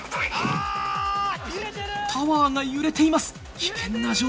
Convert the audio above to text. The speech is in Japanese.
タワーが揺れています。